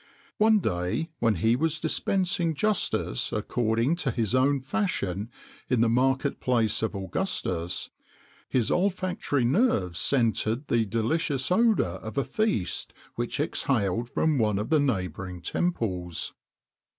One day, when he was dispensing justice according to his own fashion in the market place of Augustus, his olfactory nerves scented the delicious odour of a feast which exhaled from one of the neighbouring temples.